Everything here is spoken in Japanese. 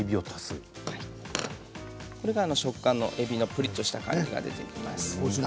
これがえびのプリッとした感じが出ます。